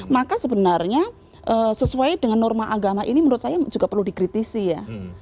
maka sebenarnya sesuai dengan norma agama ini menurut saya juga perlu dikritisi ya